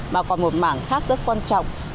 mà còn một mảng khác rất quan trọng